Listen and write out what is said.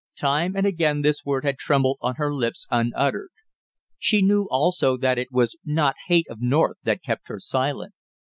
Time and again this word had trembled on her lips unuttered. She knew also that it was not hate of North that kept her silent.